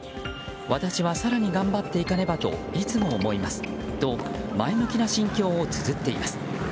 私は更に頑張っていかねばといつも思いますと前向きな心境をつづっています。